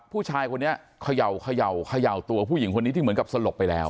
ผู้ชายคนนี้เขย่าเขย่าตัวผู้หญิงคนนี้ที่เหมือนกับสลบไปแล้ว